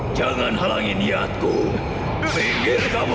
jangan halangin niatku pinggir kamu